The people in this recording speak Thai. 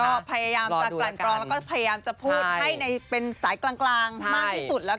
ก็พยายามจะกลั่นกรองแล้วก็พยายามจะพูดให้เป็นสายกลางมากที่สุดแล้ว